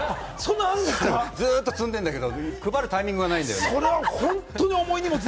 Ｔシャツをずっと積んでるんだけれども、配るタイミングないんだよ。